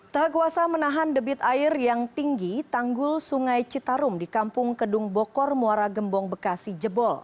tak kuasa menahan debit air yang tinggi tanggul sungai citarum di kampung kedung bokor muara gembong bekasi jebol